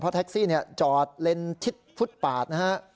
เพราะแท็กซี่จอดเลนส์ทิศพุทธปาดนะฮะ